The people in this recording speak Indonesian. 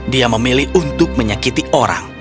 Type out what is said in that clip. dia memilih untuk menyakiti orang